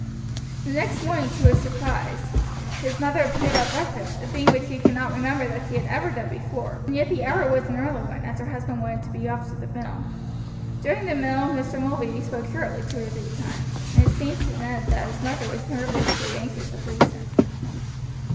The next morning, to his surprise, his mother appeared at breakfast, a thing which he could not remember that she had ever done before, and yet the hour was an early one, as her husband wanted to be off to the mill. During the meal Mr. Mulready spoke sharply two or three times, and it seemed to Ned that his mother was nervously anxious to please him.